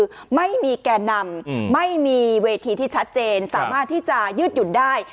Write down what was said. คือไม่มีแก่นำไม่มีเวทีที่ชัดเจนสามารถที่จะยืดหยุ่นได้